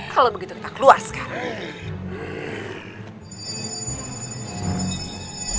kalau begitu kita keluar sekarang